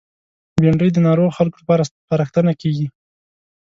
بېنډۍ د ناروغو خلکو لپاره سپارښتنه کېږي